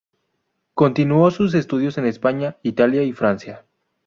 Continuó sus estudios en España, Italia y Francia.